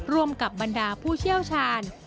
ร่วมกับบรรดาผู้เชี่ยวชาญ